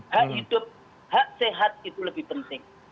hak hidup hak sehat itu lebih penting